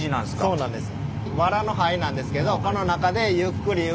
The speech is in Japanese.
そうなんです。